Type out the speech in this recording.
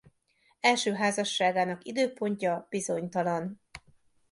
Első házasságának időpontja bizonytalan.